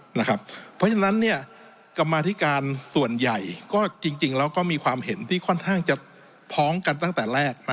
เพราะฉะนั้นกรรมาธิการส่วนใหญ่ก็จริงแล้วก็มีความเห็นที่ค่อนข้างจะพ้องกันตั้งแต่แรก